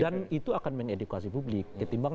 dan itu akan mengedukasi publik